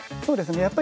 そうですね